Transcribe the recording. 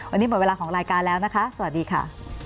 วันนี้หมดเวลาของรายการแล้วนะคะสวัสดีค่ะ